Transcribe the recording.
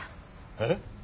えっ？